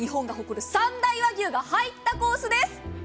日本が誇る三大和牛が入ったコースです。